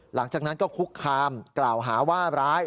หลังจากนั้นก็คุกคามกล่าวหาว่าร้าย